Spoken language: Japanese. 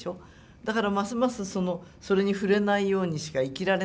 だからますますそれに触れないようにしか生きられないじゃない。